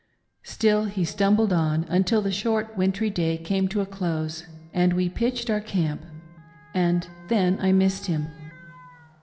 Still he stumbled on, until the short wintry day came to a close, and we pitched our camp, and then I missed him.